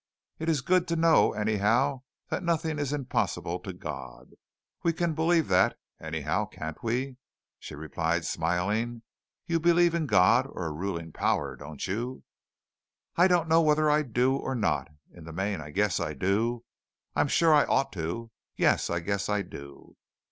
It is good to know, anyhow, that nothing is impossible to God. We can believe that, anyhow, can't we?" she replied, smiling. "You believe in God, or a ruling power, don't you?" "I don't know whether I do or not. In the main, I guess I do. I'm sure I ought to. Yes, I guess I do."